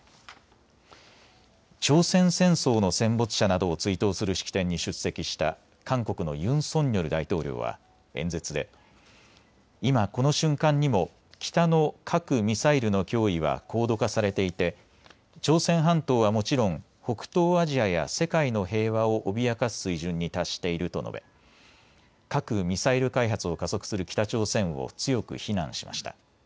朝鮮戦争の戦没者などを追悼する式典に出席した韓国のユン・ソンニョル大統領は演説で今この瞬間にも北の核・ミサイルの脅威は高度化されていて朝鮮半島はもちろん北東アジアや世界の平和を脅かす水準に達していると述べ、核・ミサイル開発を加速する北朝鮮を強く非難しました。